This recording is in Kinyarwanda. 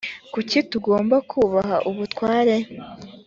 kuki tugomba kubaha ubutware